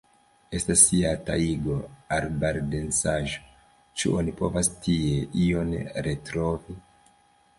Estas ja tajgo, arbardensaĵo, ĉu oni povas tie ion retrovi?